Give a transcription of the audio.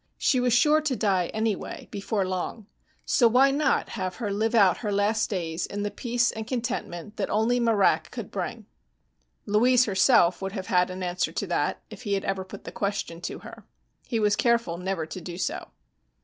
She was sure to die anyway, before long, so why not have her live out her last days in the peace and contentment that only marak could bring? Louise herself would have had an answer to that, if he had ever put the question to her. He was careful never to do so.